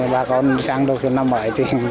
bà con sang đâu thì năm mới